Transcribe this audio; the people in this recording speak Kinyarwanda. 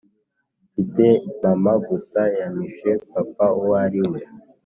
Mpfite mama gusa yampishe papa uwariwe